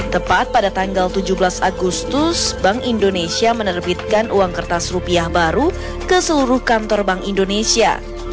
tepat pada tanggal tujuh belas agustus bank indonesia menerbitkan uang kertas rupiah baru ke seluruh kantor bank indonesia